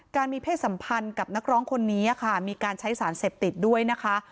มีเพศสัมพันธ์กับนักร้องคนนี้ค่ะมีการใช้สารเสพติดด้วยนะคะ